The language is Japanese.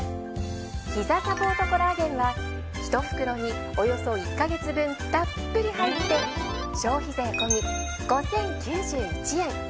ひざサポートコラーゲンは１袋におよそ１ヵ月分たっぷり入って消費税込み５，０９１円。